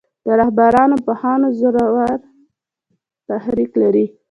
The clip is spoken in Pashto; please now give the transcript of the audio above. د رهبرانو او پوهانو زورور تحرک لري.